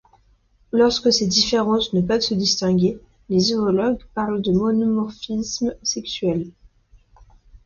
Lorsque ces différences ne peuvent se distinguer, les zoologues parlent de monomorphisme sexuel.